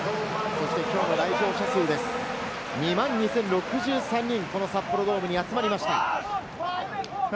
きょうの来場者数です、２万２０６３人がこの札幌ドームに集まりました。